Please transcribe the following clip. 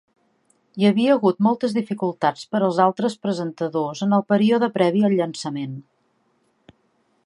Hi havia hagut moltes dificultats per als altres presentadors en el període previ al llançament.